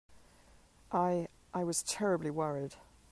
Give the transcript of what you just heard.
I—I was terribly worried.